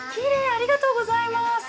ありがとうございます。